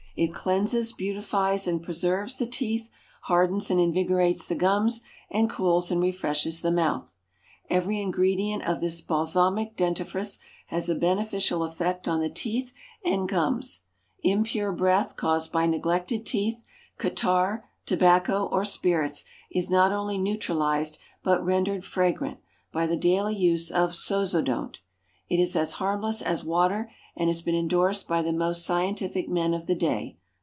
It cleanses, beautifies, and preserves the =TEETH=, hardens and invigorates the gums, and cools and refreshes the mouth. Every ingredient of this =Balsamic= dentifrice has a beneficial effect on the =Teeth and Gums=. =Impure Breath=, caused by neglected teeth, catarrh, tobacco, or spirits, is not only neutralized, but rendered fragrant, by the daily use of =SOZODONT=. It is as harmless as water, and has been indorsed by the most scientific men of the day.